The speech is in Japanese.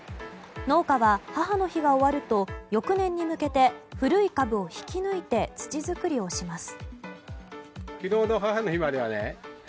農家は母の日が終わると翌年に向けて古い株を引き抜いて土作りをします。